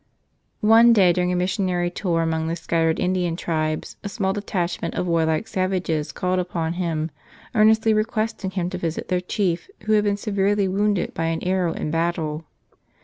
One day during a missionary tour among the scat¬ tered Indian tribes a small detachment of warlike sav¬ ages called upon him, earnestly requesting him to visit their chief, who had been severely wounded by an arrow in battle.